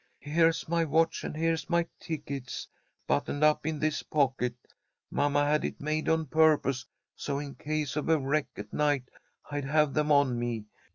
Here's my watch and here's my tickets, buttoned up in this pocket. Mamma had it made on purpose, so in case of a wreck at night I'd have them on me.